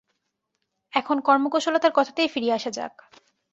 এখন কর্মকুশলতার কথাতেই ফিরিয়া আসা যাক।